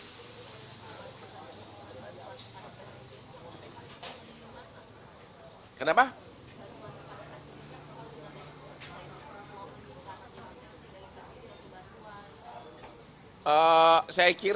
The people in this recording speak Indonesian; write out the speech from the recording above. saya kurang mau meminta kelas tiga d dari kasidil b